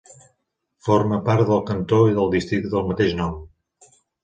Forma part del cantó i del districte del mateix nom.